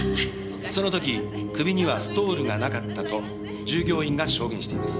その時首にはストールがなかったと従業員が証言しています。